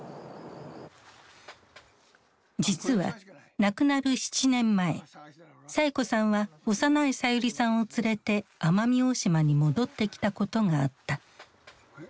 実は亡くなる７年前サエ子さんは幼いさゆりさんを連れて奄美大島に戻ってきたことがあった。